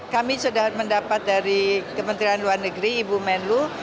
kami sudah mendapat dari kementerian luar negeri ibu menlu